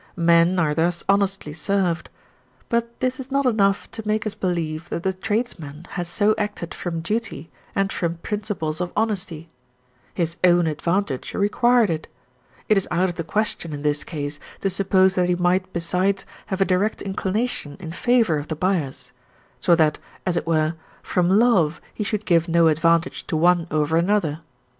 Men are thus honestly served; but this is not enough to make us believe that the tradesman has so acted from duty and from principles of honesty: his own advantage required it; it is out of the question in this case to suppose that he might besides have a direct inclination in favour of the buyers, so that, as it were, from love he should give no advantage to one over another.